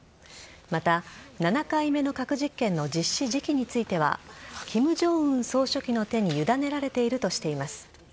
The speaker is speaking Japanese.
また、７回目の核実験の実施時期については金正恩総書記の手に委ねられているとしています。